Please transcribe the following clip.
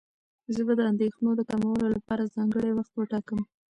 زه به د اندېښنو د کمولو لپاره ځانګړی وخت وټاکم.